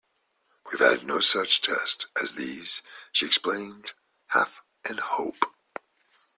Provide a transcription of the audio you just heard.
"We have had no such tests as these," she explained, half in hope.